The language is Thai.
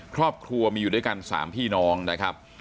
ครอบครัวมีอยู่ด้วยกัน๓พี่น้องนะครับ